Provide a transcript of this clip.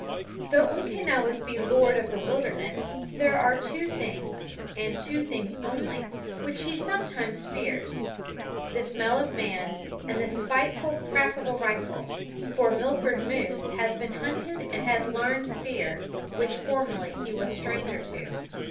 Though Umquenawis be lord of the wilderness, there are two things, and two things only, which he sometimes fears: the smell of man, and the spiteful crack of a rifle. For Milord the Moose has been hunted and has learned fear, which formerly he was stranger to.